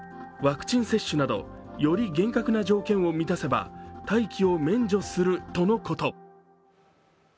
ワクチン接種などより厳格な条件を満たせば待機を免除するとのこと。